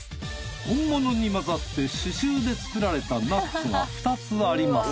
本物に混ざって刺繍で作られたナッツが２つあります。